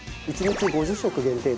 １日５０食限定